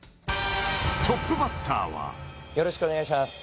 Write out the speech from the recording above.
トップバッターはよろしくお願いします